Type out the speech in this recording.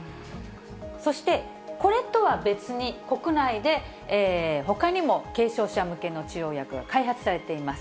そして、これとは別に、国内でほかにも軽症者向けの治療薬は開発されています。